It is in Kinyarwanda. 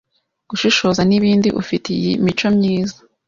gushishoza n’ibindi. U fi te iyi mico myiza